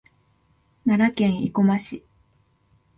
奈良県生駒市